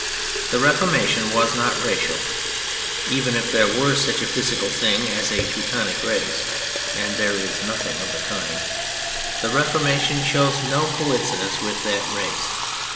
The Reformation was not racial. Even if there were such a physical thing as a "Teutonic Race" (and there is nothing of the kind), the Reformation shows no coincidence with that race.